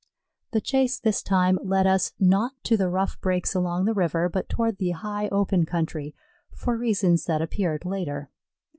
The chase this time led us, not to the rough brakes along the river, but toward the high open country, for reasons that appeared later.